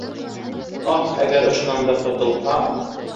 Ах, әгәр ошонан да ҡотолһа!